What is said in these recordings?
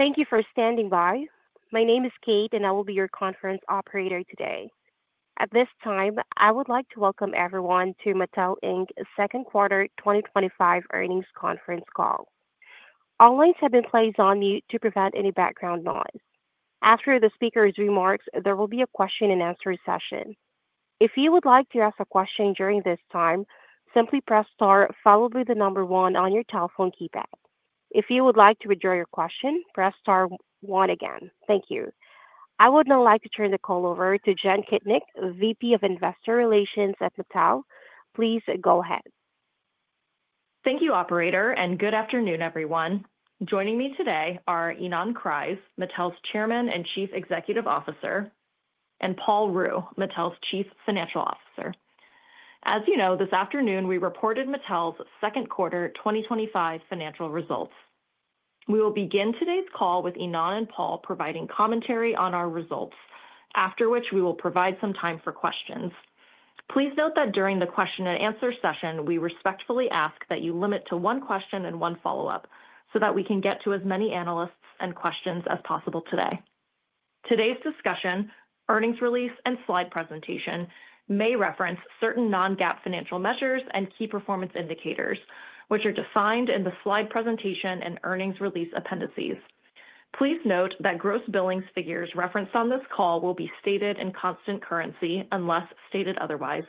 Thank you for standing by. My name is Kate, and I will be your conference operator today. At this time, I would like to welcome everyone to Mattel Inc. Second Quarter twenty twenty five Earnings Conference Call. All lines have been placed on mute to prevent any background noise. After the speakers' remarks, there will be a question and answer session. Thank you. I would now like to turn the call over to Jen Kittnick, VP of Investor Relations at Total. Please go ahead. Thank you, operator, and good afternoon, everyone. Joining me today are Ynon Krais, Mattel's Chairman and Chief Executive Officer and Paul Rueh, Mattel's Chief Financial Officer. As you know, this afternoon, we reported Mattel's second quarter twenty twenty five financial results. We will begin today's call with Inan and Paul providing commentary on our results, after which we will provide some time for questions. Please note that during the question and answer session, we respectfully ask that you limit to one question and one follow-up so that we can get to as many analysts and questions as possible today. Today's discussion, earnings release and slide presentation may reference certain non GAAP financial measures and key performance indicators, which are defined in the slide presentation and earnings release appendices. Please note that gross billings figures referenced on this call will be stated in constant currency unless stated otherwise.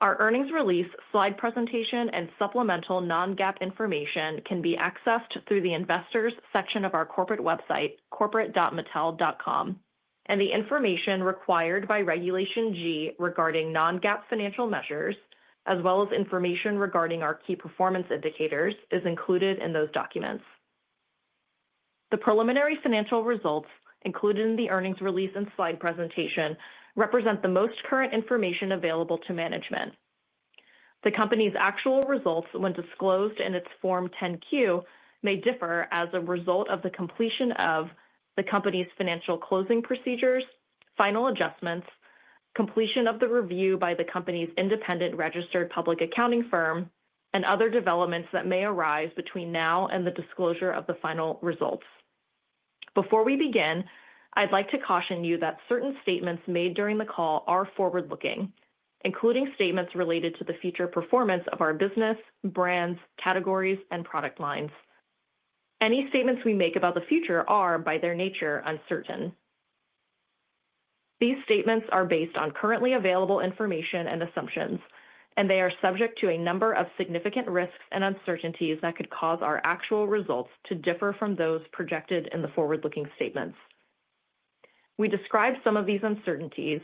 Our earnings release, slide presentation and supplemental non GAAP information can be accessed through the Investors section of our corporate website, corporate.mattel.com, and the information required by Regulation G regarding non GAAP financial measures as well as information regarding our key performance indicators is included in those documents. The preliminary financial results included in the earnings release and slide presentation represent the most current information available to management. The company's actual results when disclosed in its Form 10 Q may differ as a result of the completion of the company's financial closing procedures, final adjustments, completion of the review by the company's independent registered public accounting firm and other developments that may arise between now and the disclosure of the final results. Before we begin, I'd like to caution you that certain statements made during the call are forward looking, including statements related to the future performance of our business, brands, categories and product lines. Any statements we make about the future are, by their nature, uncertain. These statements are based on currently available information and assumptions, and they are subject to a number of significant risks and uncertainties that could cause our actual results to differ from those projected in the forward looking statements. We describe some of these uncertainties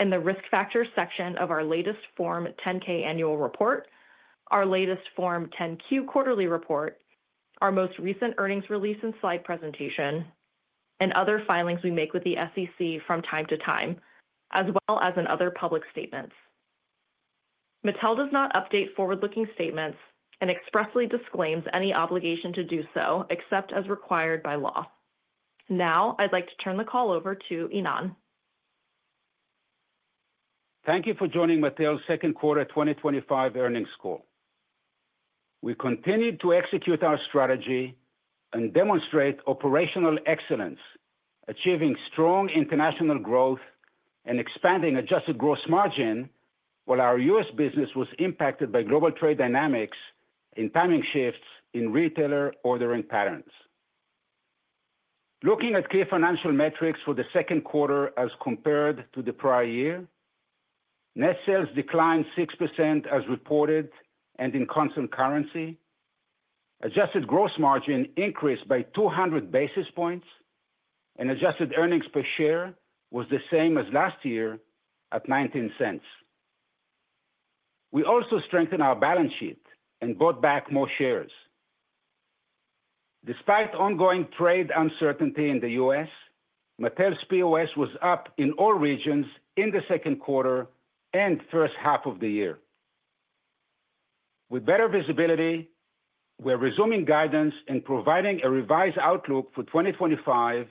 in the Risk Factors section of our latest Form 10 ks annual report, our latest Form 10 Q quarterly report, our most recent earnings release and slide presentation and other filings we make with the SEC from time to time as well as in other public statements. Mattel does not update forward looking statements and expressly disclaims any obligation to do so except as required by law. Now I'd like to turn the call over to Inan. Thank you for joining Mattel's second quarter twenty twenty five earnings call. We continued to execute our strategy and demonstrate operational excellence, achieving strong international growth and expanding adjusted gross margin, while our U. S. Business was impacted by global trade dynamics and timing shifts in retailer ordering patterns. Looking at key financial metrics for the second quarter as compared to the prior year, net sales declined 6% as reported and in constant currency. Adjusted gross margin increased by 200 basis points and adjusted earnings per share was the same as last year at $0.19 We also strengthened our balance sheet and bought back more shares. Despite ongoing trade uncertainty in The U. S, Matteo's POS was up in all regions in the second quarter and first half of the year. With better visibility, we are resuming guidance and providing a revised outlook for 2025,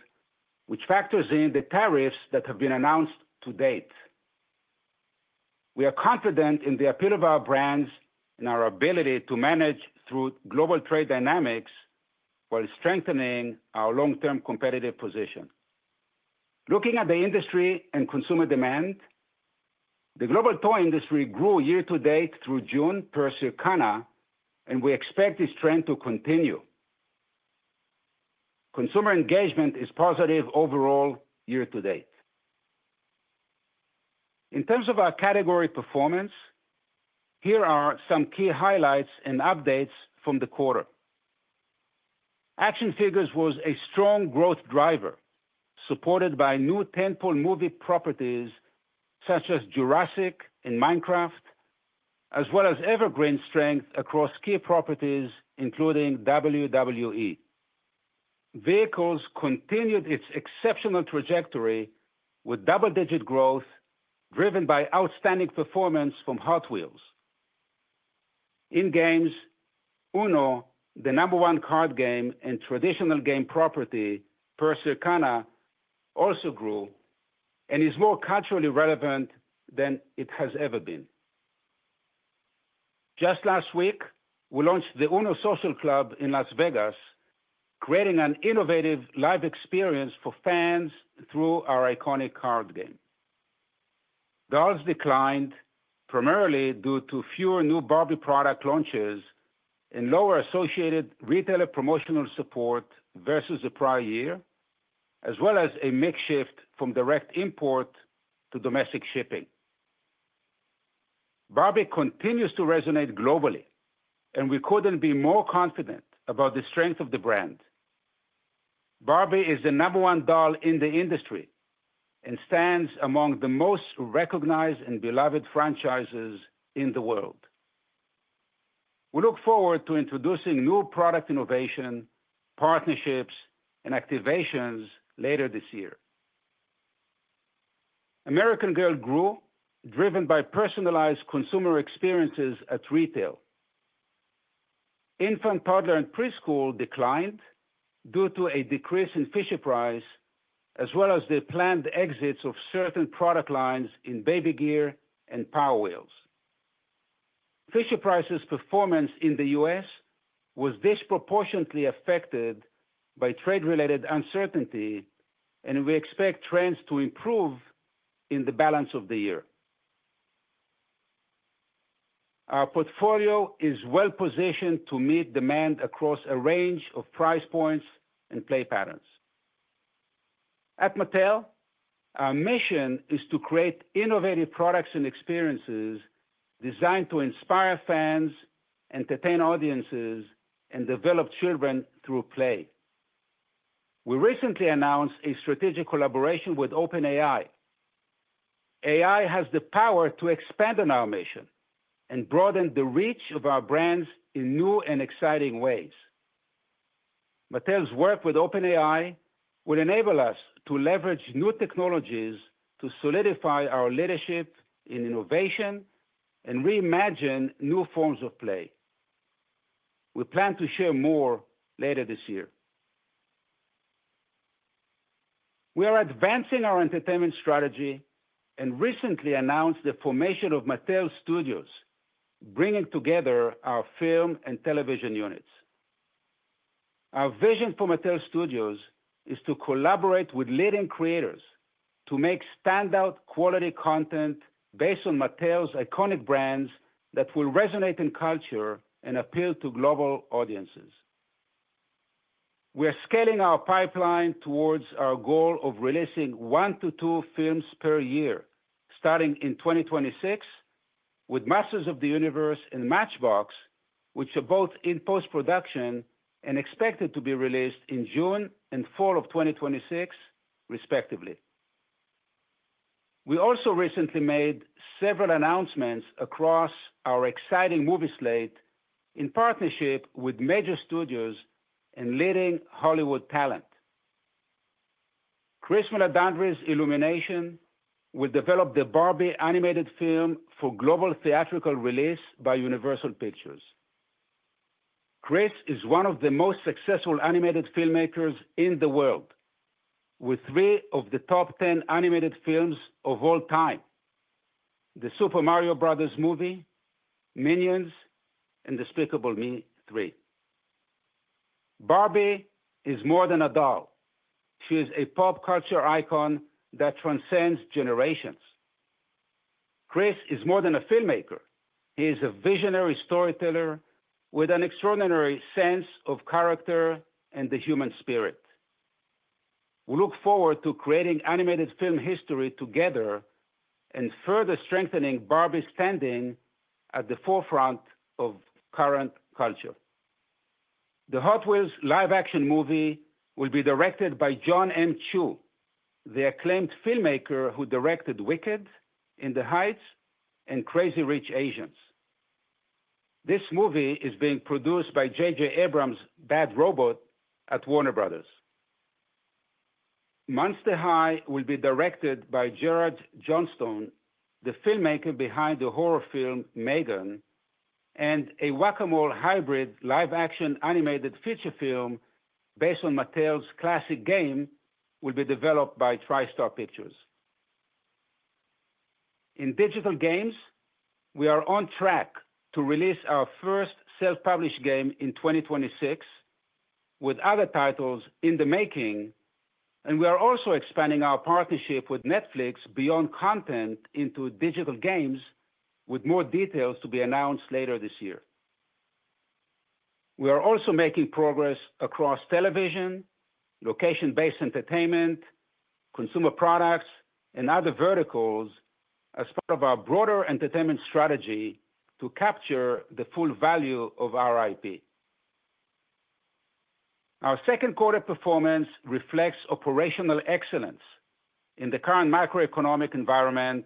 which factors in the tariffs that have been announced to date. We are confident in the appeal of our brands and our ability to manage through global trade dynamics while strengthening our long term competitive position. Looking at the industry and consumer demand, the global toy industry grew year to date through June per Surcana and we expect this trend to continue. Consumer engagement is positive overall year to date. In terms of our category performance, here are some key highlights and updates from the quarter. Action Figures was a strong growth driver supported by new Tenpol movie properties such as Jurassic and Minecraft as well as evergreen strength across key properties including WWE. Vehicles continued its exceptional trajectory with double digit growth driven by outstanding performance from Hot Wheels. In games, UNO, the number one card game and traditional game property per Surcana also grew and is more culturally relevant than it has ever been. Just last week, we launched the Uno Social Club in Las Vegas, creating an innovative live experience for fans through our iconic card game. Dolls declined primarily due to fewer new Barbie product launches and lower associated retailer promotional support versus the prior year, as well as a mix shift from direct import to domestic shipping. Continues to resonate globally and we couldn't be more confident about the strength of the brand. Barbie is the number one doll in the industry and stands among the most recognized and beloved franchises in the world. We look forward to introducing new product innovation, partnerships and activations later this year. American Girl grew driven by personalized consumer experiences at retail. Infant, toddler and preschool declined due to a decrease in Fisher Price as well as the planned exits of certain product lines in Baby Gear and Power Wheels. Fisher Price's performance in The U. S. Was disproportionately affected by trade related uncertainty and we expect trends to improve in the balance of the year. Our portfolio is well positioned to meet demand across a range of price points and play patterns. At Mattel, our mission is to create innovative products and experiences designed to inspire fans, entertain audiences and develop children through play. We recently announced a strategic collaboration with OpenAI. AI has the power to expand on our mission and broaden the reach of our brands in new and exciting ways. Mattel's work with OpenAI will enable us to leverage new technologies to solidify our leadership in innovation and reimagine new forms of play. We plan to share more later this year. We are advancing our entertainment strategy and recently announced the formation of Mattel Studios, bringing together our film and television units. Our vision for Mattel Studios is to collaborate with leading creators to make standout quality content based on Matteo's iconic brands that will resonate in culture and appeal to global audiences. We are scaling our pipeline towards our goal of releasing one to two films per year starting in 2026 with Masters of the Universe and Matchbox, which are both in post production and expected to be released in June and 2026 respectively. We also recently made several announcements across our exciting movie slate in partnership with major studios and leading Hollywood talent. Chris Muladandry's Illumination will develop the Barbie animated film for global theatrical release by Universal Pictures. Chris is one of the most successful animated filmmakers in the world with three of the top 10 animated films of all time. The Super Mario Brothers movie, Minions and Despicable Me three. Barbie is more than a doll. She is a pop culture icon that transcends generations. Chris is more than a filmmaker. He is a visionary storyteller with an extraordinary sense of character and the human spirit. We look forward to creating animated film history together and further strengthening Barbie's standing at the forefront of current culture. The Hot Wheels live action movie will be directed by John M. Chew, the acclaimed filmmaker who directed Wicked, In the Heights and Crazy Rich Asians. This movie is being produced by J. J. Abrams' Bad Robot at Warner Brothers. Monster High will be directed by Gerard Johnstone, the filmmaker behind the horror film Megan and a whack a mole hybrid live action animated feature film based on Mattel's classic game will be developed by TriStar Pictures. In digital games, we are on track to release our first self published game in 2026 with other titles in the making and we are also expanding our partnership with Netflix beyond content into digital games with more details to be announced later this year. We are also making progress across television, location based entertainment, consumer products and other verticals as part of our broader entertainment strategy to capture the full value of our IP. Our second quarter performance reflects operational excellence in the current macroeconomic environment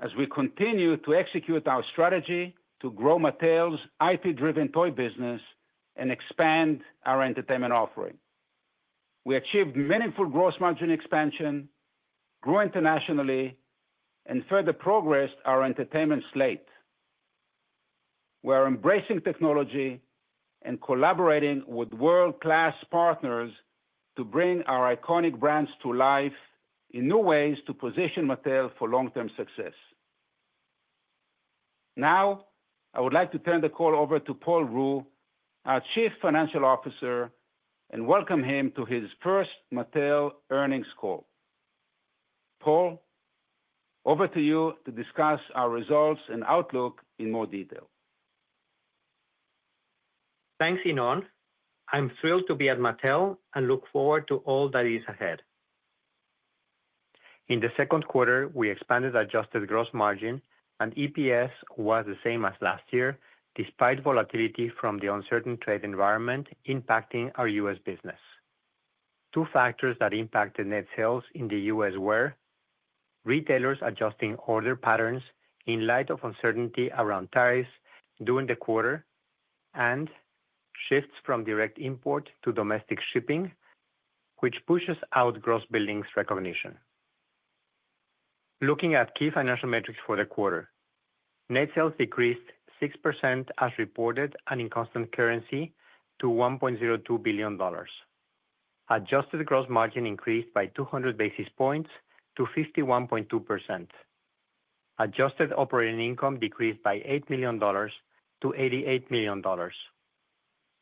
as we continue to execute our strategy to grow Mattel's IP driven toy business and expand our entertainment offering. We achieved meaningful gross margin expansion, grew internationally and further progressed our entertainment slate. We are embracing technology and collaborating with world class partners to bring our iconic brands to life in new ways to position Mattel for long term success. Now, I would like to turn the call over to Paul Rue, our Chief Financial Officer and welcome him to his first Mattel earnings call. Paul, over to you to discuss our results and outlook in more detail. Thanks, Inon. I'm thrilled to be at Mattel and look forward to all that is ahead. In the second quarter, we expanded adjusted gross margin and EPS was the same as last year despite volatility from the uncertain trade environment impacting our U. S. Business. Two factors that impacted net sales in The U. S. Were retailers adjusting order patterns in light of uncertainty around tariffs during the quarter and shifts from direct import to domestic shipping, which pushes out gross billings recognition. Looking at key financial metrics for the quarter. Net sales decreased 6% as reported and in constant currency to $1,020,000,000 Adjusted gross margin increased by 200 basis points to 51.2%. Adjusted operating income decreased by $8,000,000 to $88,000,000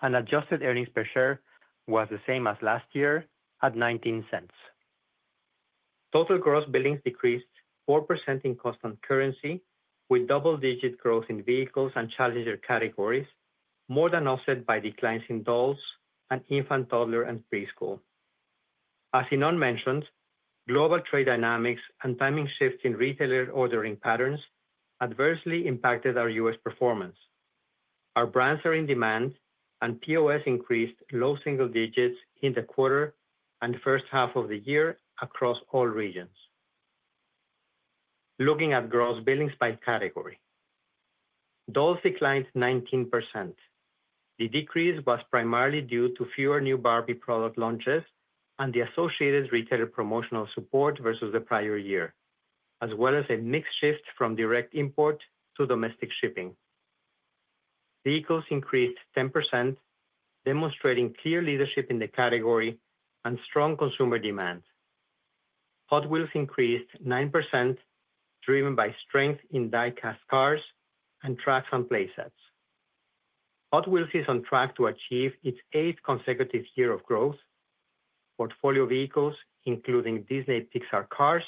and adjusted earnings per share was the same as last year at $0.19 Total gross billings decreased 4% in constant currency with double digit growth in vehicles and challenger categories more than offset by declines in dolls and infanttoddler and preschool. As Hinon mentioned, global trade dynamics and timing shifts in retailer ordering patterns adversely impacted our U. S. Performance. Our brands are in demand and POS increased low single digits in the quarter and first half of the year across all regions. Looking at gross billings by category. Dolls declined 19%. The decrease was primarily due to fewer new Barbie product launches and the associated retailer promotional support versus the prior year, as well as a mix shift from direct import to domestic shipping. Vehicles increased 10%, demonstrating clear leadership in the category and strong consumer demand. Hot Wheels increased 9%, driven by strength in die cast cars and tracks and playsets. Hot Wheels is on track to achieve its eighth consecutive year of growth, portfolio vehicles, including Disney Pixar Cars,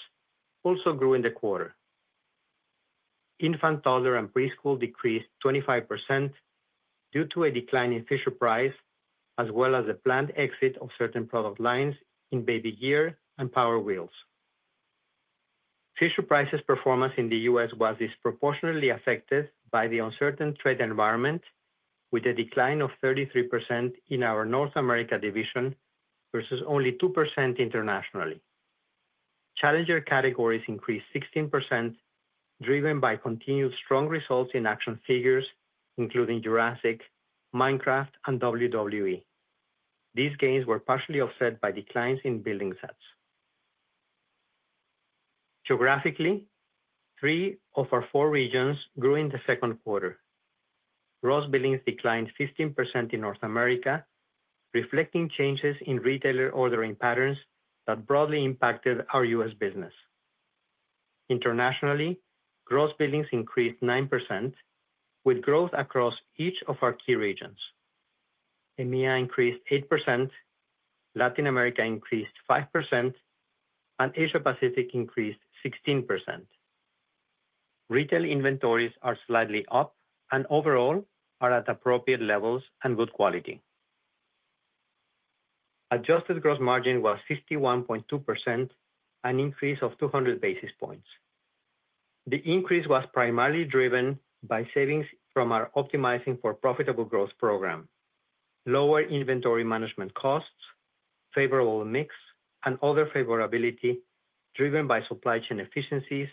also grew in the quarter. Infant, toddler and preschool decreased 25% due to a decline in Fisher Price as well as a planned exit of certain product lines in Baby Gear and Power Wheels. Fisher Price's performance in The U. S. Was disproportionately affected by the uncertain trade environment with a decline of 33% in our North America division versus only 2% internationally. Challenger categories increased 16% driven by continued strong results in action figures including Jurassic, Minecraft and WWE. These gains were partially offset by declines in building sets. Geographically, three of our four regions grew in the second quarter. Gross billings declined 15% in North America, reflecting changes in retailer ordering patterns that broadly impacted our U. S. Business. Internationally, gross billings increased 9% with growth across each of our key regions. EMEA increased 8%, Latin America increased 5% and Asia Pacific increased 16%. Retail inventories are slightly up and overall are at appropriate levels and good quality. Adjusted gross margin was 51.2%, an increase of 200 basis points. The increase was primarily driven by savings from our optimizing for profitable growth program, lower inventory management costs, favorable mix and other favorability driven by supply chain efficiencies,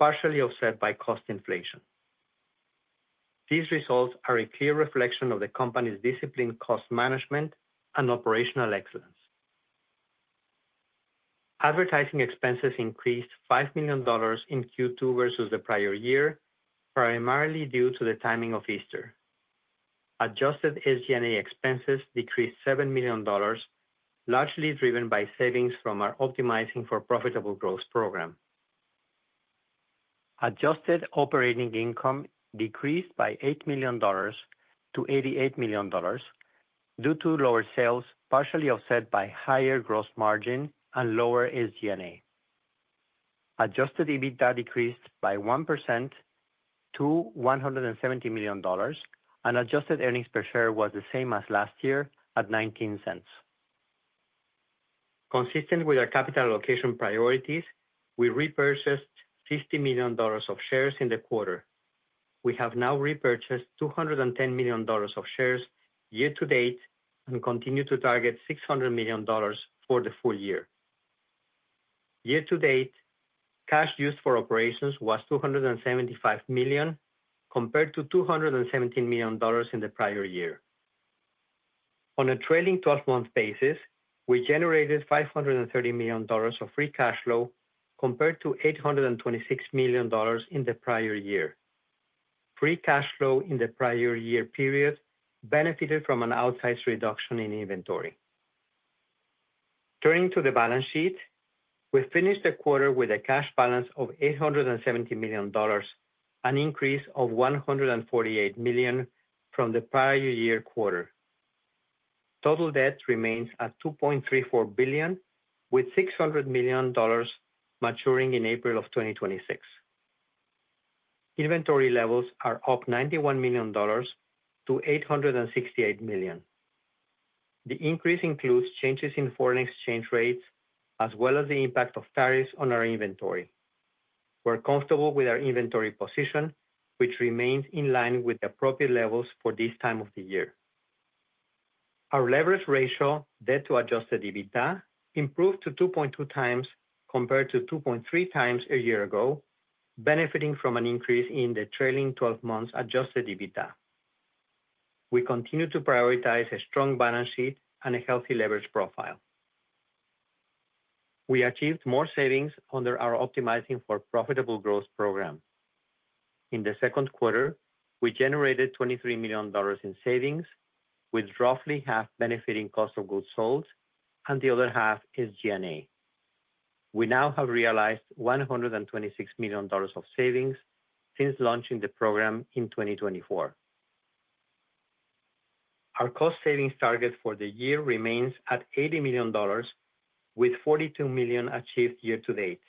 partially offset by cost inflation. These results are a clear reflection of the company's disciplined cost management and operational excellence. Advertising expenses increased $5,000,000 in Q2 versus the prior year, primarily due to the timing of Easter. Adjusted SG and A expenses decreased $7,000,000 largely driven by savings from our Optimizing for Profitable Growth program. Adjusted operating income decreased by $8,000,000 to $88,000,000 due to lower sales, partially offset by higher gross margin and lower SG and A. Adjusted EBITDA decreased by 1% to $170,000,000 and adjusted earnings per share was the same as last year at $0.19 Consistent with our capital allocation priorities, we repurchased $50,000,000 of shares in the quarter. We have now repurchased $210,000,000 of shares year to date and continue to target $600,000,000 for the full year. Year to date, cash used for operations was $275,000,000 compared to $217,000,000 in the prior year. On a trailing twelve month basis, we generated $530,000,000 of free cash flow compared to $826,000,000 in the prior year. Free cash flow in the prior year period benefited from an outsized reduction in inventory. Turning to the balance sheet. We finished the quarter with a cash balance of $870,000,000 an increase of $148,000,000 from the prior year quarter. Total debt remains at $2,340,000,000 with $600,000,000 maturing in April. Inventory levels are up $91,000,000 to $868,000,000 The increase includes changes in foreign exchange rates as well as the impact of tariffs on our inventory. We're comfortable with our inventory position, which remains in line with appropriate levels for this time of the year. Our leverage ratio, debt to adjusted EBITDA improved to 2.2 times compared to 2.3 times a year ago, benefiting from an increase in the trailing twelve months adjusted EBITDA. We continue to prioritize a strong balance sheet and a healthy leverage profile. We achieved more savings under our optimizing for profitable growth program. In the second quarter, we generated $23,000,000 in savings with roughly half benefiting cost of goods sold and the other half is G and A. We now have realized $126,000,000 of savings since launching the program in 2024. Our cost savings target for the year remains at $80,000,000 with $42,000,000 achieved year to date.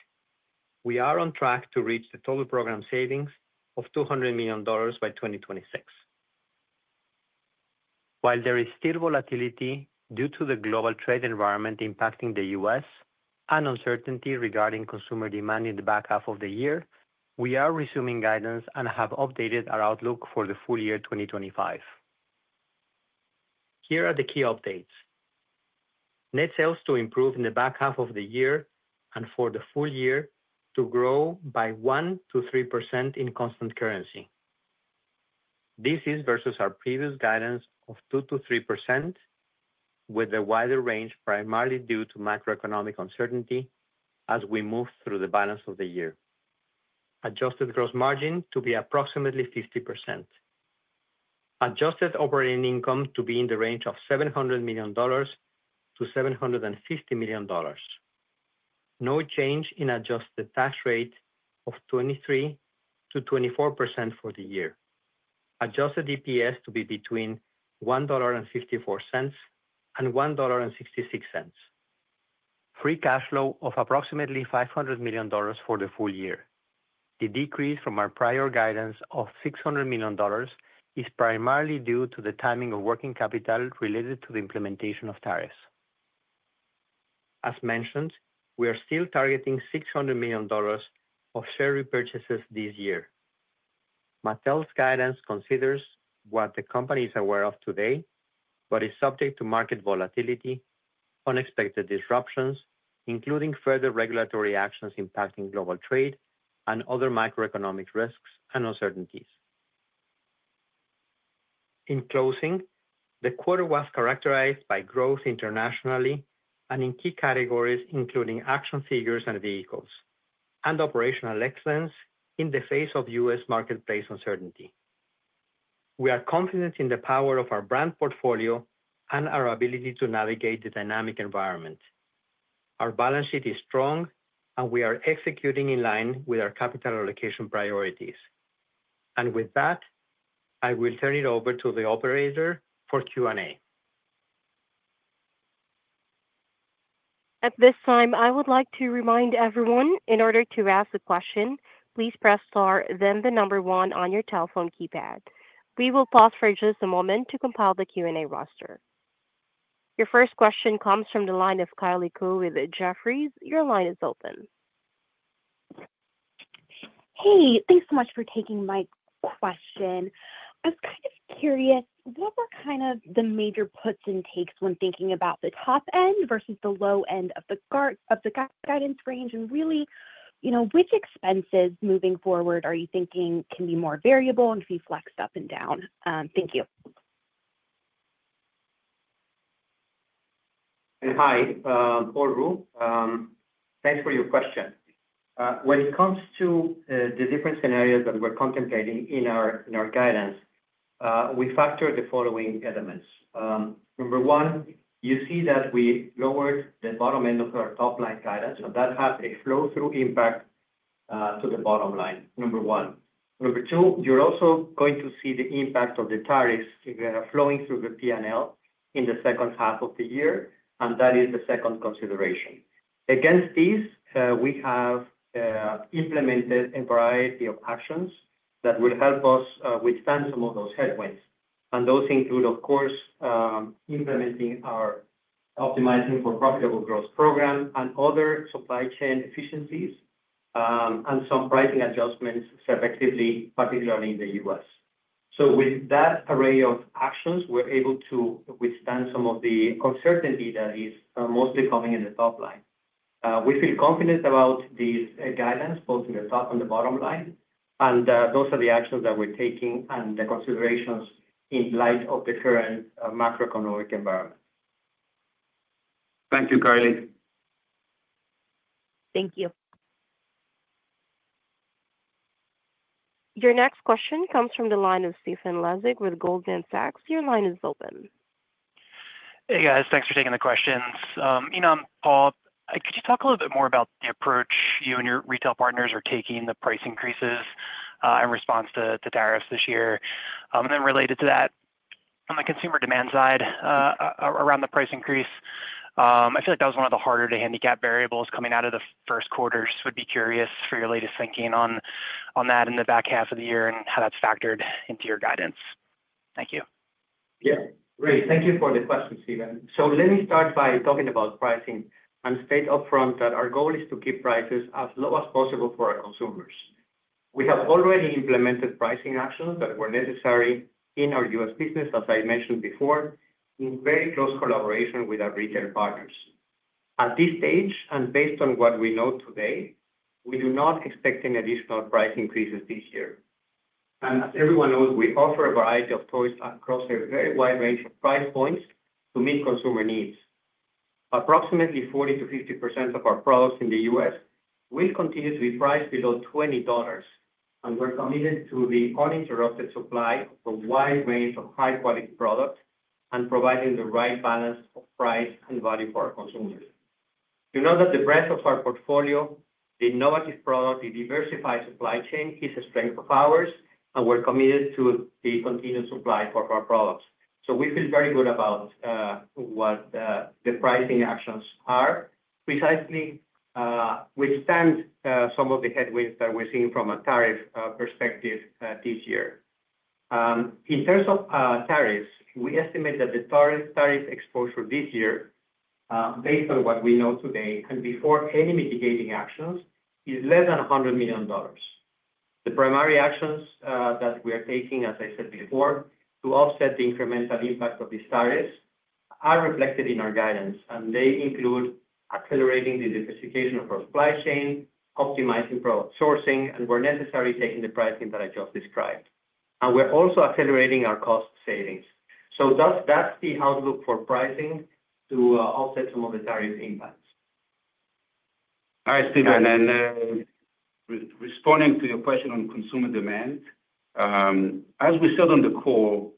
We are on track to reach the total program savings of $200,000,000 by 2026. While there is still volatility due to the global trade environment impacting The U. S. And uncertainty regarding consumer demand in the back half of the year, we are resuming guidance and have updated our outlook for the full year 2025. Here are the key updates. Net sales to improve in the back half of the year and for the full year to grow by 1% to 3% in constant currency. This is versus our previous guidance of 2% to 3% with a wider range primarily due to macroeconomic uncertainty as we move through the balance of the year adjusted gross margin to be approximately 50% adjusted operating income to be in the range of $700,000,000 to $750,000,000 No change in adjusted tax rate of 23 to 24 for the year. Adjusted EPS to be between $1.54 and $1.66 Free cash flow of approximately $500,000,000 for the full year. The decrease from our prior guidance of $600,000,000 is primarily due to the timing of working capital related to the implementation of tariffs. As mentioned, we are still targeting $600,000,000 of share repurchases this year. Mattel's guidance considers what the company is aware of today, but is subject to market volatility, unexpected disruptions, including further regulatory actions impacting global trade and other macroeconomic risks and uncertainties. In closing, the quarter was characterized by growth internationally and in key categories including Action Figures and Vehicles and operational excellence in the face of U. S. Marketplace uncertainty. We are confident in the power of our brand portfolio and our ability to navigate the dynamic environment. Our balance sheet is strong and we are executing in line with our capital allocation priorities. And with that, I will turn it over to the operator for Q and A. Your first question comes from the line of Kylie Ku with Jefferies. Your line is open. Hey, thanks so much for taking my question. I was kind of curious what were kind of the major puts and takes when thinking about the top end versus the low end of the guidance range? And really, which expenses moving forward are you thinking can be more variable and be flexed up and down? You. Borgou. Thanks for your question. When it comes to the different scenarios that we're contemplating in our guidance, we factor the following elements. Number one, you see that we lowered the bottom end of our top line guidance and that has a flow through impact to the bottom line, number one. Number two, you're also going to see the impact of the tariffs flowing through the P and L in the second half of the year and that is the second consideration. Against this, we have implemented a variety of actions that will help us withstand some of those headwinds. And those include, of course, implementing our optimizing for profitable growth program and other supply chain efficiencies and some pricing adjustments, effectively, particularly in The U. S. So with that array of actions, we're able to withstand some of the uncertainty that is mostly coming in the top line. We feel confident about these guidance both in the top and the bottom line. And those are the actions that we're taking and the considerations in light of the current macroeconomic environment. Thank you, Karli. Thank you. Your next question comes from the line of Steven Lasik with Goldman Sachs. Your line is open. Hey guys, thanks for taking the questions. Inan, Paul, could you talk a little bit more about the approach you and your retail partners are taking the price increases in response to tariffs this year? And then related to that, on the consumer demand side around the price increase, I feel like that was one of the harder to handicap variables coming out of the first quarter. So would be curious for your latest thinking on that in the back half of the year and how that's factored into your guidance? Thank you. Great. Thank you for the question, Steven. So let me start by talking about pricing and state upfront that our goal is to keep prices as low as possible for our consumers. We have already implemented pricing actions that were necessary in our U. S. Business, as I mentioned before, in very close collaboration with our retail partners. At this stage and based on what we know today, we do not expect any additional price increases this year. And as everyone knows, we offer a variety of toys across a very wide range of price points to meet consumer needs. Approximately 40% to 50% of our products in The U. S. Will continue to be priced below $20 and we're committed to the uninterrupted supply of a wide range of high quality products and providing the right balance of price and value for our consumers. You know that the breadth of our portfolio, the innovative product, the diversified supply chain is a strength of ours and we're committed to the continued supply of our products. So we feel very good about what the pricing actions are, precisely withstand some of the headwinds that we're seeing from a tariff perspective this year. In terms of tariffs, we estimate that the tariff exposure this year, based on what we know today and before any mitigating actions is less than $100,000,000 The primary actions that we are taking, as I said before, to offset the incremental impact of this tariffs are reflected in our guidance, and they include accelerating the diversification of our supply chain, optimizing product sourcing and where necessary taking the pricing that I just described. And we're also accelerating our cost savings. So that's the outlook for pricing to offset some of the tariff impacts. All right, Stephen. And responding to your question on consumer demand. As we said on the call,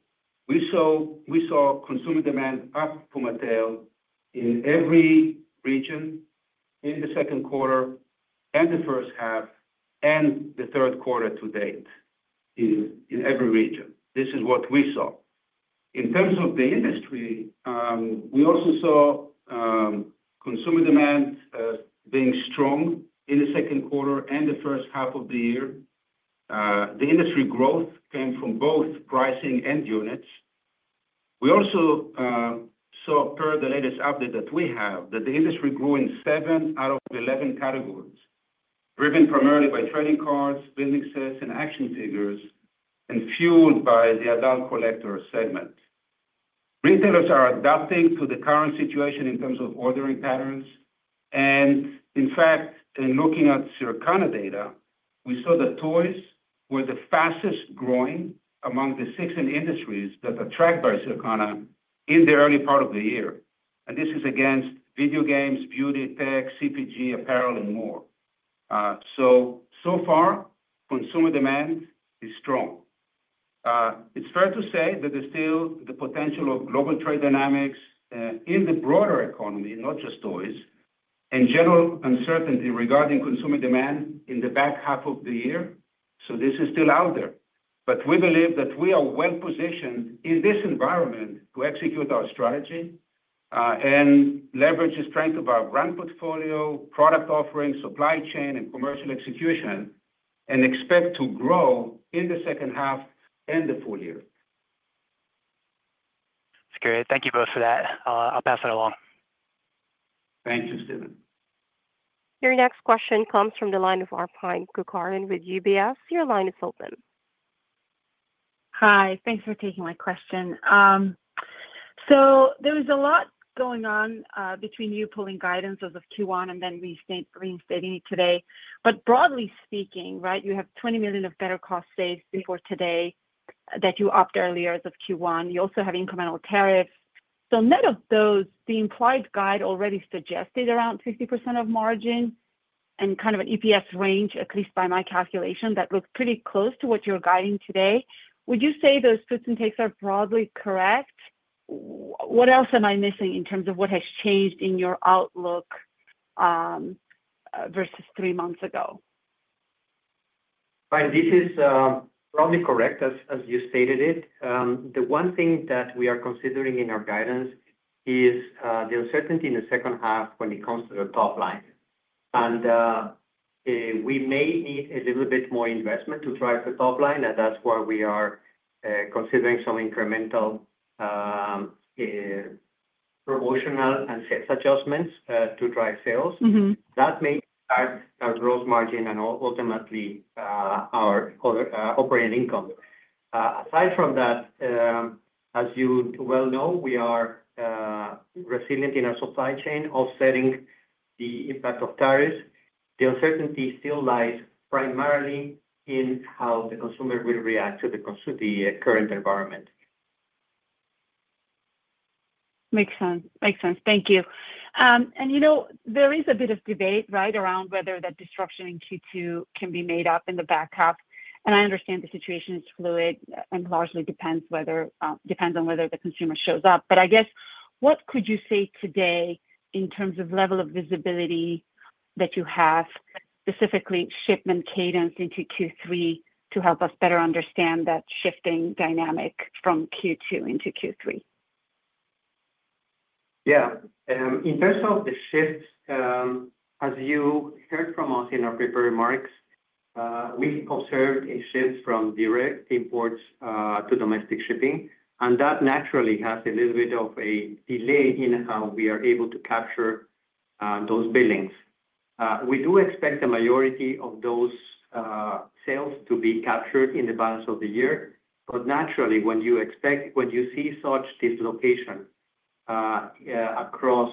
we saw consumer demand up for Matteo in every region in the second quarter and the first half and the third quarter to date in every region. This is what we saw. In terms of the industry, we also saw consumer demand being strong in the second quarter and the first half of the year. The industry growth came from both pricing and units. We also saw per the latest update that we have that the industry grew in seven out of 11 categories, driven primarily by trading cards, billing sets and action figures and fueled by the adult collector segment. Retailers are adapting to the current situation in terms of ordering patterns. And in fact, in looking at Surcana data, we saw that toys were the fastest growing among the six industries that attract our Surcana in the early part of the year. And this is against video games, beauty, tech, CPG, apparel and more. So, so far consumer demand is strong. It's fair to say that there's still the potential of global trade dynamics in the broader economy, not just toys, and general uncertainty regarding consumer demand in the back half of the year. So this is still out there. But we believe that we are well positioned in this environment to execute our strategy and leverage the strength of our brand portfolio, product offering, supply chain and commercial execution and expect to grow in the second half and the full year. It's great. Thank you both for that. I'll pass it along. Thank you, Stephen. Your next question comes from the line of Arpine Kukaran with UBS. Your line is open. Hi. Thanks for taking my question. So there was a lot going on between you pulling guidance as of Q1 and then reinstating it today. But broadly speaking, right, you have $20,000,000 of better cost saves before today that you upped earlier as of Q1. You also have incremental tariffs. So net of those, the implied guide already suggested around 50% of margin and kind of an EPS range, at least by my calculation, that looks pretty close to what you're guiding today. Would you say those puts and takes are broadly correct? What else am I missing in terms of what has changed in your outlook versus three months ago? Fine. This is probably correct as you stated it. The one thing that we are considering in our guidance is the uncertainty in the second half when it comes to the top line. And we may need a little bit more investment to drive the top line and that's why we are considering some incremental promotional and sales adjustments to drive sales. That may impact our gross margin and ultimately our operating income. Aside from that, as you well know, we are resilient in our supply chain offsetting the impact of tariffs. The uncertainty still lies primarily in how the consumer will react to the current environment. Makes sense. Thank you. And there is a bit of debate right around whether that disruption in Q2 can be made up in the back half. And I understand the situation is fluid and largely depends whether depends on whether the consumer shows up. But I guess, what could you say today in terms of level of visibility that you have, specifically shipment cadence into Q3 to help us better understand that shifting dynamic from Q2 into Q3? Yes. In terms of the shifts, as you heard from us in our prepared remarks, we observed a shift from direct imports to domestic shipping. And that naturally has a little bit of a delay in how we are able to capture those billings. We do expect the majority of those sales to be captured in the balance of the year. But naturally when you expect when you see such dislocation across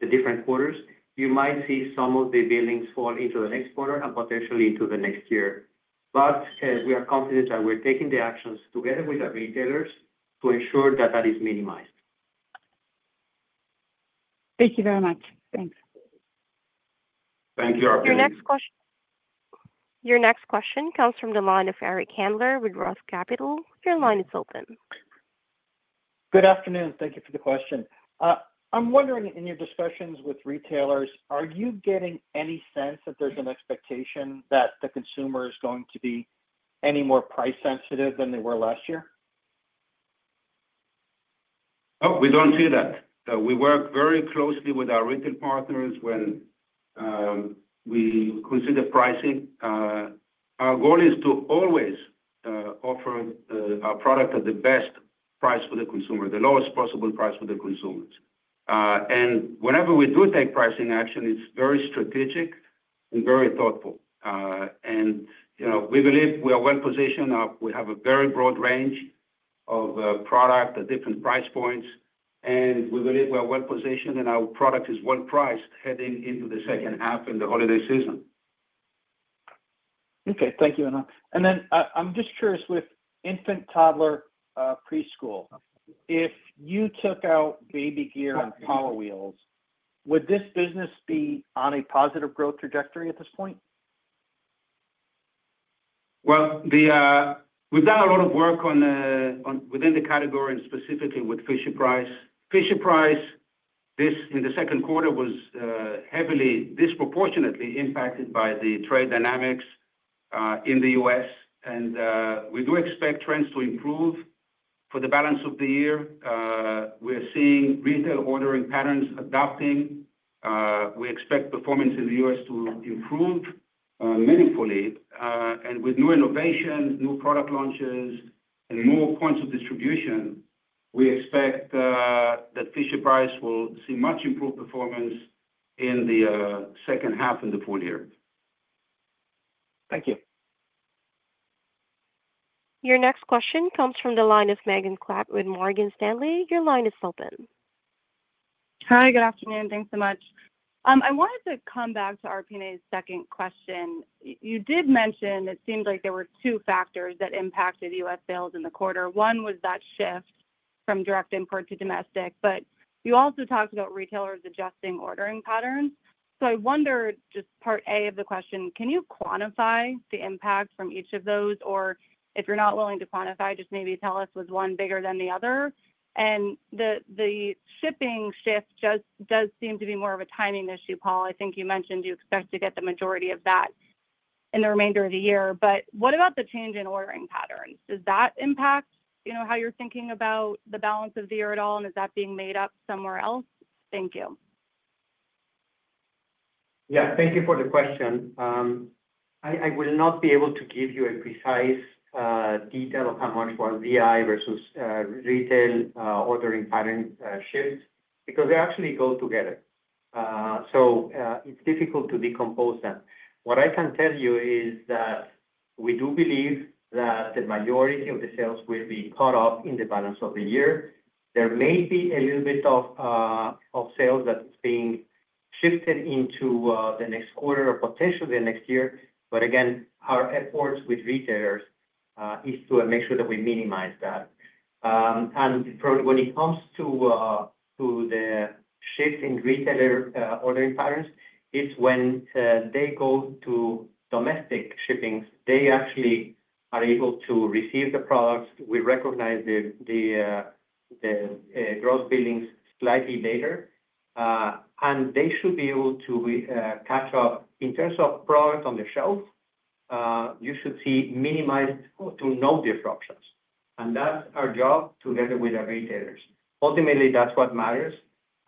the different quarters, you might see some of the billings fall into the next quarter and potentially into the next year. But we are confident that we're taking the actions together with the retailers to ensure that that is minimized. Thank you very much. Thanks. Thank you, operator. Your question comes from the line of Eric Handler with ROTH Capital. Your line is open. Good afternoon. Thank you for the question. I'm wondering in your discussions with retailers, are you getting any sense that there's an expectation that the consumer is going to be any more price sensitive than they were last year? We don't see that. We work very closely with our retail partners when we consider pricing. Our goal is to always offer our product at the best price for the consumer, the lowest possible price for the consumers. And whenever we do take pricing action, it's very strategic and very thoughtful. And we believe we are well positioned. We have a very broad range of product at different price points. And we believe we are well positioned and our product is well priced heading into the second half in the holiday season. Okay. Thank you, Anand. And then I'm just curious with infant toddler preschool, if you took out baby gear and power wheels, would this business be on a positive growth trajectory at this point? Well, we've done a lot of work on within the category and specifically with Fisher Price. Fisher Price this in the second quarter was heavily disproportionately impacted by the trade dynamics in The U. S. And we do expect trends to improve for the balance of the year. We are seeing retail ordering patterns adopting. We expect performance in The U. S. To improve meaningfully. And with new innovations, new product launches and more points of distribution, we expect that Fisher Price will see much improved performance in the second half and the full year. Thank you. Your next question comes from the line of Megan Klap with Morgan Stanley. Your line is open. Hi, good afternoon. Thanks so much. I wanted to come back to RPNA's second question. You did mention it seems like there were two factors that impacted US sales in the quarter. One was that shift from direct import to domestic, but you also talked about retailers adjusting ordering patterns. So I wonder just part a of the question, can you quantify the impact from each of those? Or if you're not willing to quantify, just maybe tell us was one bigger than the other? And the the shipping shift just does seem to be more of a timing issue, Paul. I think you mentioned you expect to get the majority of that in the remainder of the year. But what about the change in ordering patterns? Does that impact, you know, how you're thinking about the balance of the year at all, is that being made up somewhere else? Thank you. Yes. Thank you for the question. I will not be able to give you a precise detail of how much was DI versus retail ordering pattern shifts because they actually go together. So it's difficult to decompose them. What I can tell you is that we do believe that the majority of the sales will be caught up in the balance of the year. There may be a little bit of sales that's being shifted into the next quarter or potentially the next year. But again, our efforts with retailers is to make sure that we minimize that. And when it comes to the shifting retailer ordering patterns, is when they go to domestic shipping, actually are able to receive the products. We recognize the gross billings slightly later, And they should be able to catch up. In terms of product on the shelf, you should see minimized to no disruptions. And that's our job together with our retailers. Ultimately, that's what matters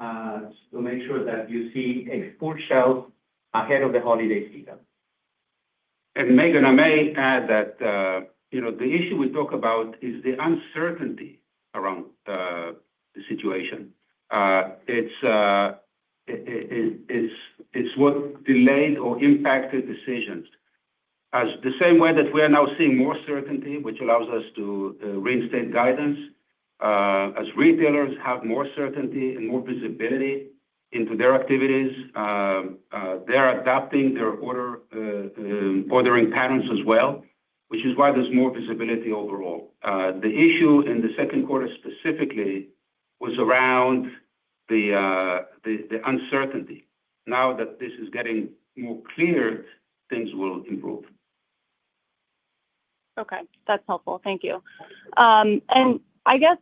to make sure that you see a full shelf ahead of the holiday season. Megan, I may add that the issue we talk about is the uncertainty around the situation. It's what delayed or impacted decisions. As the same way that we are now seeing more certainty, which allows us to reinstate guidance As retailers have more certainty and more visibility into their activities, they are adapting their ordering patterns as well, which is why there's more visibility overall. The issue in the second quarter specifically was around the uncertainty. Now that this is getting more clear, things will improve. Okay. That's helpful. Thank you. And I guess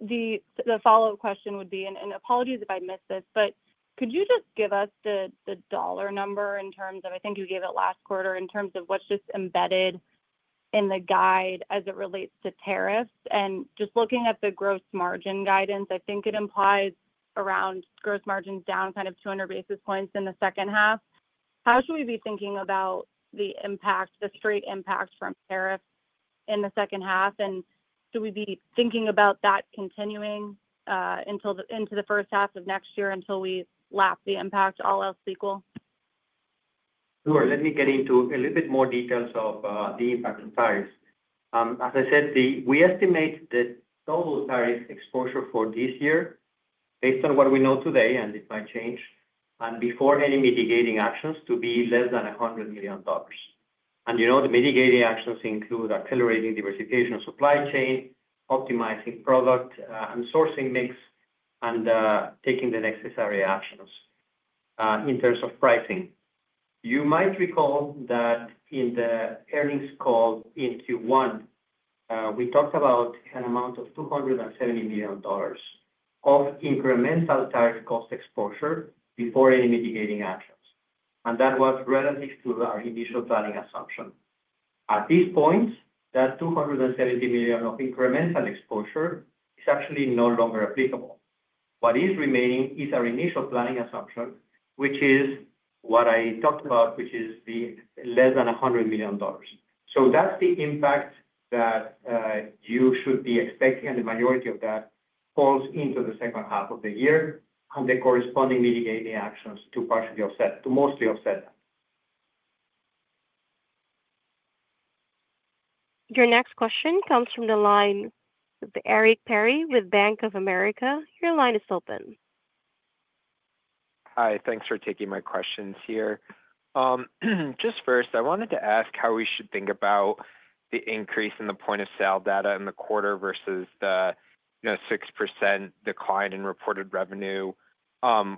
the the follow-up question would be, and and apologies if I missed this, but could you just give us the the dollar number in terms of think you gave it last quarter in terms of what's just embedded in the guide as it relates to tariffs. And just looking at the gross margin guidance, I think it implies around gross margins down kind of 200 basis points in the second half. How should we be thinking about the impact, the straight impact from tariffs in the second half? And should we be thinking about that continuing into the first half of next year until we lap the impact, all else equal? Sure. Let me get into a little bit more details of the impact on tariffs. As I said, we estimate the total tariff exposure for this year based on what we know today and it might change and before any mitigating actions to be less than $100,000,000 And you know the mitigating actions include accelerating diversification of supply chain, optimizing product and sourcing mix and taking the necessary actions in terms of pricing. You might recall that in the earnings call in Q1, we talked about an amount of $270,000,000 of incremental tariff cost exposure before any mitigating actions. And that was relative to our initial planning assumption. At this point, that €270,000,000 of incremental exposure is actually no longer applicable. What is remaining is our initial planning assumption, which is what I talked about, which is the less than $100,000,000 So that's the impact that you should be expecting and the majority of that falls into the second half of the year and the corresponding mitigating actions to partially offset to mostly offset. That. Your next question comes from the line of Eric Perry with Bank of America. Your line is open. Hi, thanks for taking my questions here. Just first, I wanted to ask how we should think about the increase in the point of sale data in the quarter versus the 6% decline in reported revenue.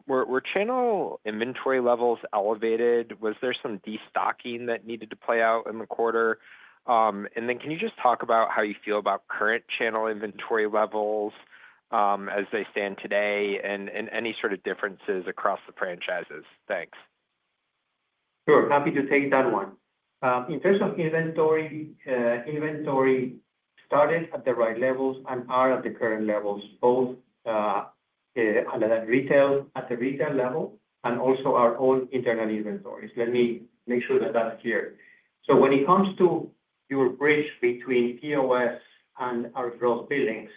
Were channel inventory levels elevated? Was there some destocking that needed to play out in the quarter? And then can you just talk about how you feel about current channel inventory levels as they stand today? And any sort of differences across the franchises? Thanks. Sure. Happy to take that one. In terms of inventory, inventory started at the right levels and are at the current levels both at the retail level and also our own internal inventories. Let me make sure that that's clear. So when it comes to your bridge between POS and our gross billings,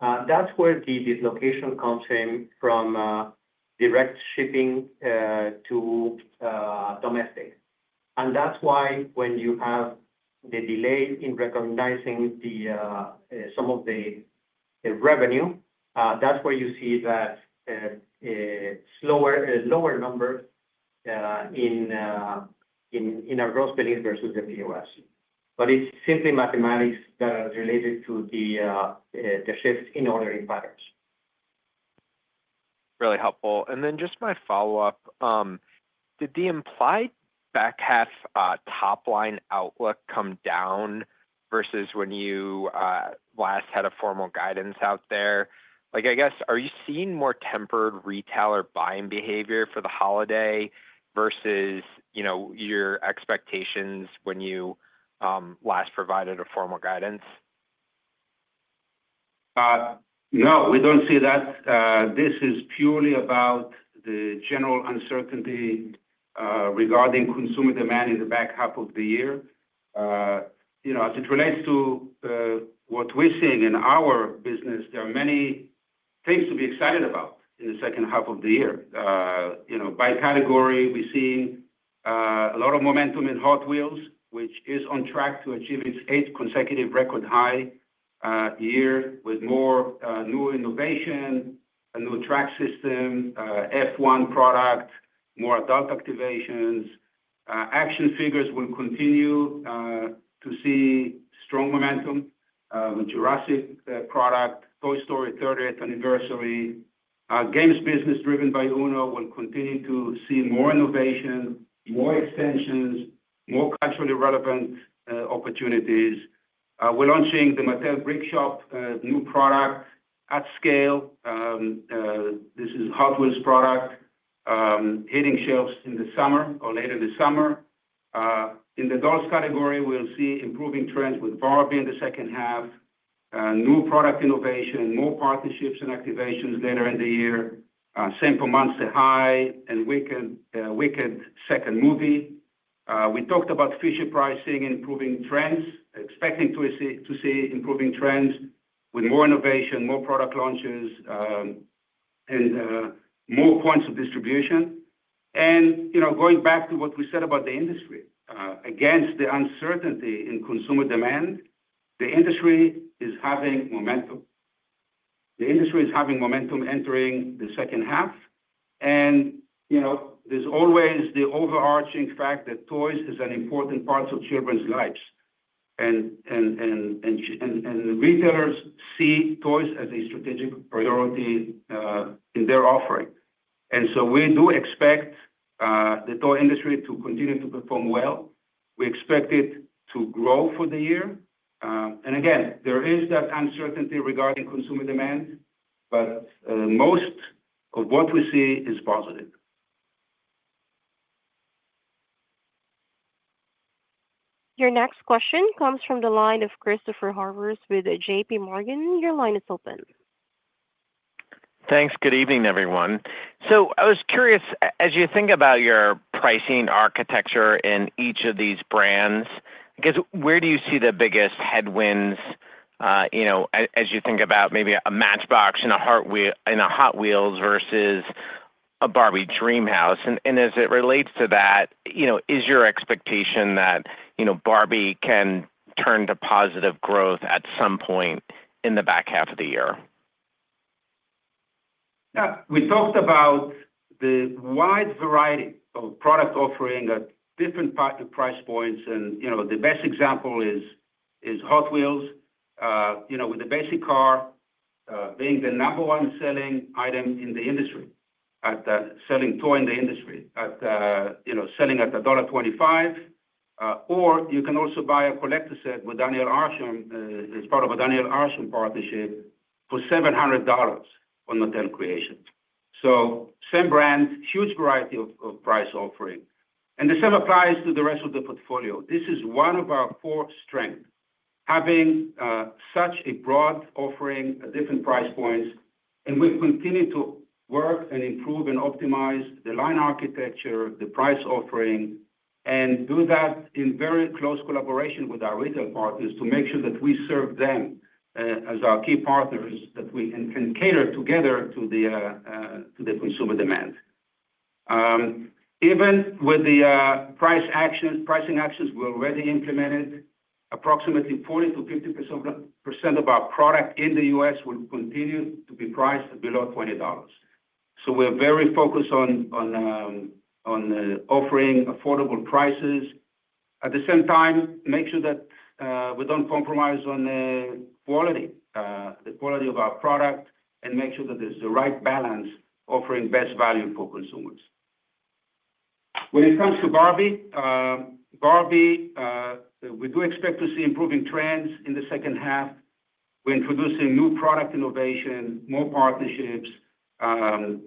that's where the dislocation comes in from direct shipping to domestic. And that's why when you have the delay in recognizing the some of the revenue, that's where you see that slower lower number in our gross billings versus the POS. But it's simply mathematics related to the shift in ordering patterns. Really helpful. And then just my follow-up. Did the implied back half top line outlook come down versus when you last had a formal guidance out there? Like I guess, are you seeing more tempered retailer buying behavior for the holiday versus your expectations when you last provided a formal guidance? No, we don't see that. This is purely about the general uncertainty regarding consumer demand in the back half of the year. As it relates to what we're seeing in our business, there are many things to be excited about in the second half of the year. By category, we're seeing a lot of momentum in Hot Wheels, which is on track to achieve its eighth consecutive record high year with more new innovation, a new track system, F1 product, more adult activations. Action Figures will continue to see strong momentum. Jurassic product, Toy Story thirtieth anniversary. Games business driven by UNO will continue to see more innovation, more extensions, more culturally relevant opportunities. We're launching the Mattel Brick Shop new product at scale. This is a hot wheels product hitting shelves in the summer or later this summer. In the Dolls category, we'll see improving trends with Barbie in the second half, new product innovation, more partnerships and activations later in the year, same for Monster High and Wicked second movie. We talked about Fisher pricing improving trends, expecting to see improving trends with more innovation, more product launches and more points of distribution. And going back to what we said about the industry, against the uncertainty in consumer demand, the industry is having momentum. The industry is having momentum entering the second half. And there's always the overarching fact that toys is an important part of children's lives. And retailers see toys as a strategic priority in their offering. And so we do expect the toy industry to continue to perform well. We expect it to grow for the year. And again, there is that uncertainty regarding consumer demand, but most of what we see is positive. Your next question comes from the line of Christopher Horvers with JPMorgan. Your line is open. Thanks. Good evening, everyone. So I was curious, as you think about your pricing architecture in each of these brands, I guess where do you see the biggest headwinds as you think about maybe a Matchbox in a Hot Wheels versus a Barbie Dreamhouse? And as it relates to that, is your expectation that Barbie can turn to positive growth at some point in the back half of the year? Yes. We talked about the wide variety of product offering at different price points. And the best example is Hot Wheels with the basic car being the number one selling item in the industry, selling toy in the industry, selling at 1.25 or you can also buy a collector set with Daniel Arshund as part of a Daniel Arshund partnership for $700 on Motel Creations. So same brand, huge variety of price offering. And the same applies to the rest of the portfolio. This is one of our core strengths, having such a broad offering at different price points. And we'll continue to work and improve and optimize the line architecture, the price offering and do that in very close collaboration with our retail partners to make sure that we serve them as our key partners that we can cater together to the consumer demand. Even with the price actions pricing actions we already implemented, approximately 40% to 50% of our product in The U. S. Will continue to be priced below $20 So we're very focused on offering affordable prices. At the same time, make sure that we don't compromise on quality, the quality of our product and make sure that there's the right balance offering best value for consumers. When it comes to Barbie, Barbie, we do expect to see improving trends in the second half. We're introducing new product innovation, more partnerships,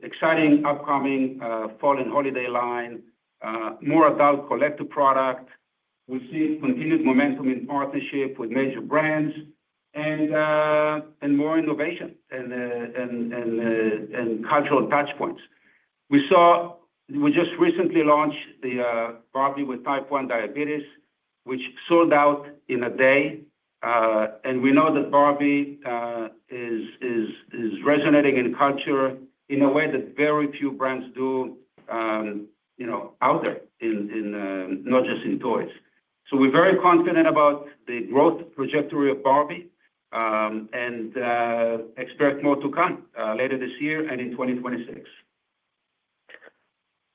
exciting upcoming fall and holiday line, more adult collective product. We're seeing continued momentum in partnership with major brands and more innovation and cultural touch points. We saw we just recently launched the with Type one diabetes, which sold out in a day. And we know that Barbie is resonating in culture in a way that very few brands do out there not just in toys. So we're very confident about the growth trajectory of Barbie and expect more to come later this year and in 2026.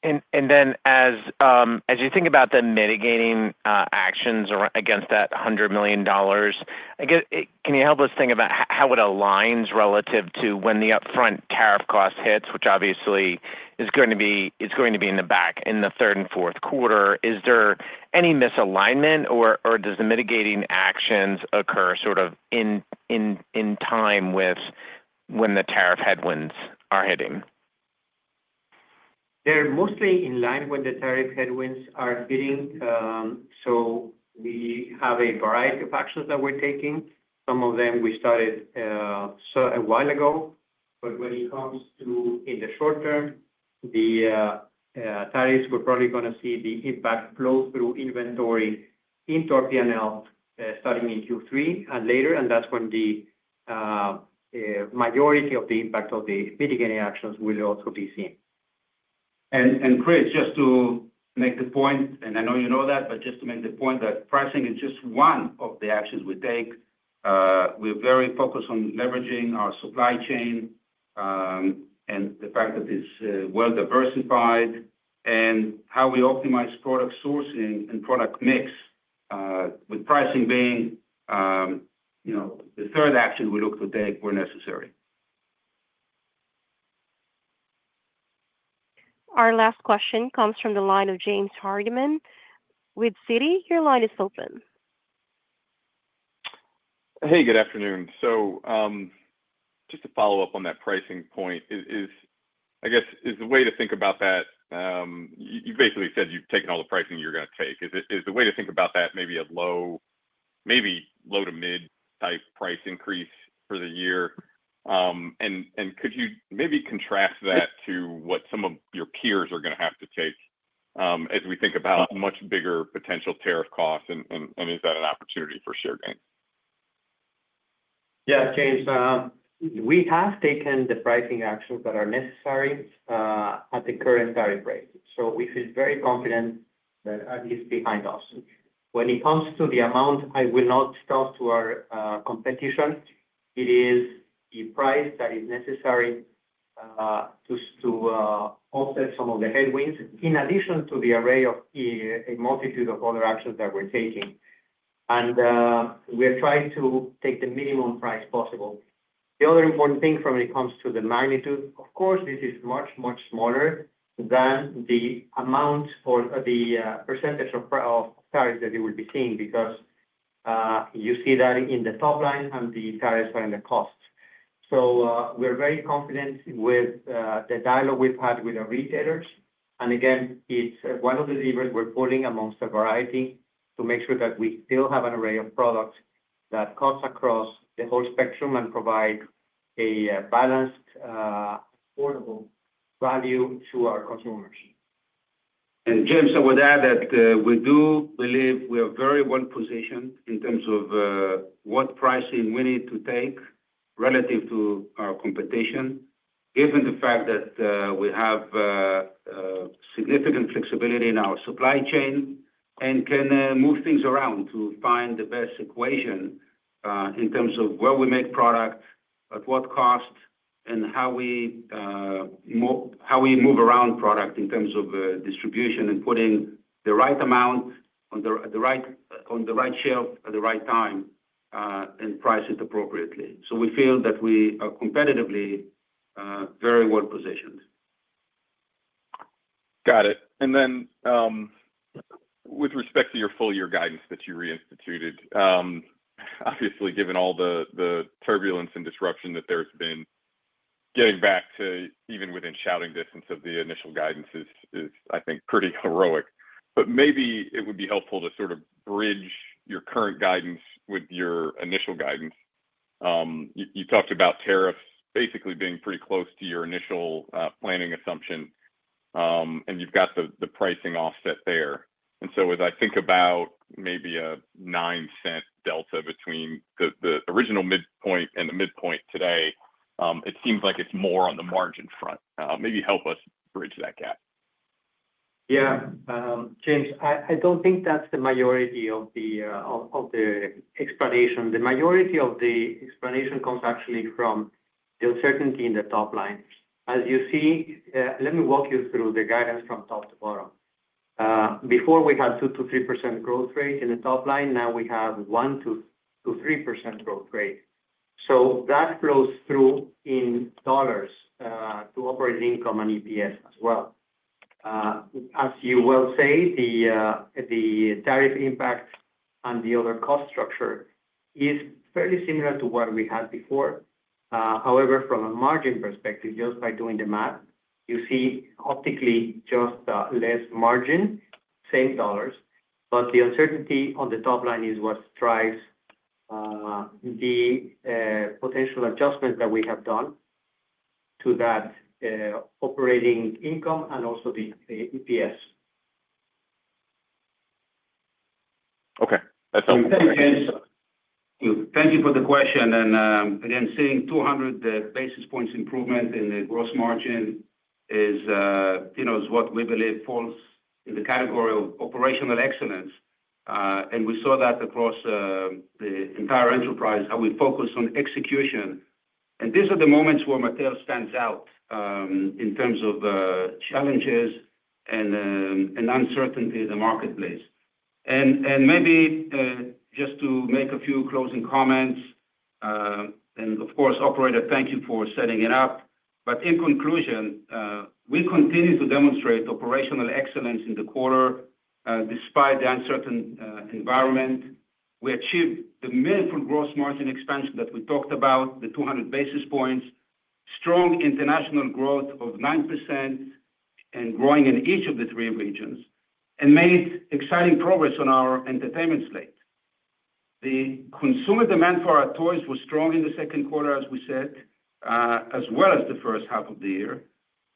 And then as you think about the mitigating actions against that $100,000,000 I guess can you help us think about how it aligns relative to when the upfront tariff cost hits, which obviously is going to be in the back in the third and fourth quarter? Is there any misalignment? Or does the mitigating actions occur sort of in time with when the tariff headwinds are hitting? They're mostly in line with the tariff headwinds are hitting. So we have a variety of actions that we're taking. Some of them we started a while ago. But when it comes to in the short term, the tariffs we're probably going to see the impact flow through inventory into our P and L starting in Q3 and later. That's when the majority of the impact of the mitigating actions will also be seen. And Chris, just to make the point and I know you know that, but just to make the point that pricing is just one of the actions we take. We're very focused on leveraging our supply chain and the fact that it's well diversified and how we optimize product sourcing and product mix with pricing being the third action we look to take where necessary. Our last question comes from the line of James Hargmann with Citi. Your line is open. Hey, good afternoon. So just to follow-up on that pricing point is I guess, is the way to think about that you basically said you've taken all the pricing you're going to take. Is the way to think about that maybe a low maybe low to mid type price increase for the year? And could you maybe contrast that to what some of your peers are going to have to take as we think about much bigger potential tariff costs? Is that an opportunity for share gain? Yes, James. We have taken the pricing actions that are necessary at the current tariff rate. So we feel very confident that it is behind us. When it comes to the amount, I will not talk to our competition. It is the price that is necessary to offset some of the headwinds in addition to the array of a multitude of other actions that we're taking. And we're trying to take the minimum price possible. The other important thing when it comes to the magnitude, of course, is much, much smaller than the amount or the percentage of tariffs that you will be seeing because you see that in the top line and the tariffs and the costs. So we're very confident with the dialogue we've had with our retailers. And again, it's one of the levers we're pulling amongst a variety to make sure that we still have an array of products that comes across the whole spectrum and provide a balanced affordable value to our consumers. And James, would add that we do believe we are very well positioned in terms of what pricing we need to take relative to our competition, given the fact that we have significant flexibility in our supply chain and can move things around to find the best equation in terms of where we make product, at what cost and how we move around product in terms of distribution and putting the right amount on the right shelf at the right time and price it appropriately. So we feel that we are competitively very well positioned. Got it. And then with respect to your full year guidance that you reinstituted, obviously, all the turbulence and disruption that there's been, getting back to even within shouting distance of the initial guidance is, I think, pretty heroic. But maybe it would be helpful to sort of bridge your current guidance with your initial guidance. You talked about tariffs basically being pretty close to your initial, planning assumption, and you've got the pricing offset there. And so as I think about maybe a $09 delta between the original midpoint and the midpoint today, it seems like it's more on the margin front. Maybe help us bridge that gap. Yeah. James, I don't think that's the majority of the explanation. The majority of the explanation comes actually from the uncertainty in the top line. As you see let me walk you through the guidance from top to bottom. Before we had 2% to 3% growth rate in the top line. Now we have 1% to 3% growth rate. So that flows through in dollars to operating income and EPS as well. As you will say, the tariff impact and the other cost structure is fairly similar to what we had before. However, from a margin perspective, just by doing the math, you see optically just less margin sales dollars, but the uncertainty on the top line is what drives the potential adjustment that we have done to that operating income and also the EPS. Okay. That sounds Thank you for the question. And again, seeing 200 basis points improvement in the gross margin is what we believe falls in the category of operational excellence. And we saw that across the entire enterprise, how we focus on execution. And these are the moments where Matteo stands out in terms of challenges and uncertainty in the marketplace. And maybe just to make a few closing comments. And of course, operator, thank you for setting it up. But in conclusion, we continue to demonstrate operational excellence in the quarter despite the uncertain environment. We achieved the meaningful gross margin expansion that we talked about, the 200 basis points, strong international growth of 9% and growing in each of the three regions and made exciting progress on our Entertainment slate. The consumer demand for our toys was strong in the second quarter as we said, as well as the first half of the year.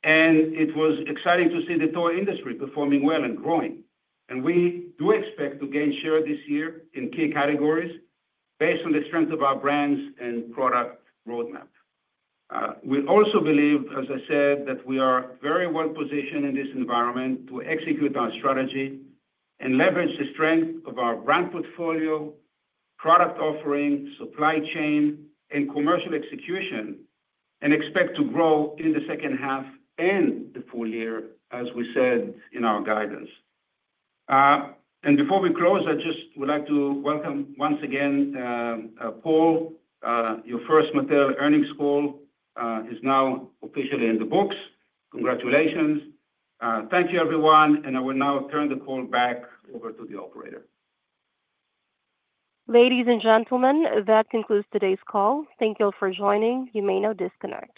And it was exciting to see the toy industry performing well and growing. And we do expect to gain share this year in key categories based on the strength of our brands and product road map. We also believe, as I said, that we are very well positioned in this environment to execute our strategy and leverage the strength of our brand portfolio, product offering, supply chain and commercial execution and expect to grow in the second half and the full year as we said in our guidance. And before we close, I just would like to welcome once again Paul. Your first Mattel earnings call is now officially in the books. Congratulations. Thank you everyone. And I will now turn the call back over to the operator. Ladies and gentlemen, that concludes today's call. Thank you all for joining. You may now disconnect.